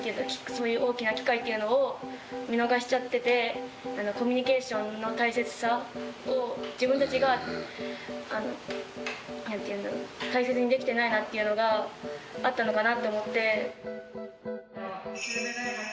そういう大きな機会っていうのを見逃しちゃっててコミュニケーションの大切さを自分たちが大切にできてないなっていうのがあったのかなと思って。